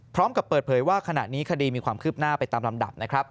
พร้อมกับเปิดเผยว่าขณะนี้คดีมีความคืบหน้าไปตามลำดับนะครับ